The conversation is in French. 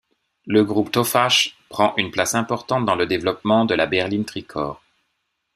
Le groupe Tofaş prend une place importante dans le développement de la berline tri-corps.